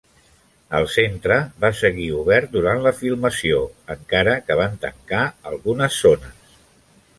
El centre va seguir obert durant la filmació, encara que van tancar algunes zones.